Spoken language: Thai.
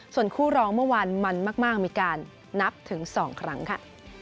ส่วนคู่รองเมื่อวานมันมากมีการนับถึง๒ครั้งค่ะ